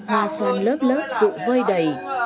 hoa xoan lớp lớp rụ vơi đầy